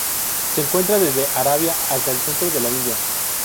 Se encuentra desde Arabia hasta el centro de la India.